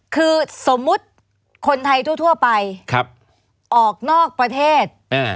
คือสมมุติคนไทยทั่วไปออกนอกประเทศ